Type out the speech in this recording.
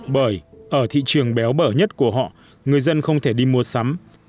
bởi ở thị trường béo bở nhất của họ người dân không thể đi mua sắm